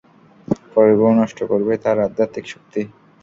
পরেরগুলো নষ্ট করবে তার আধ্যাত্মিক শক্তি।